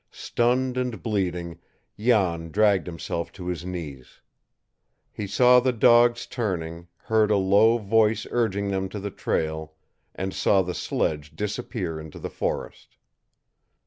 Stunned and bleeding, Jan dragged himself to his knees. He saw the dogs turning, heard a low voice urging them to the trail, and saw the sledge disappear into the forest.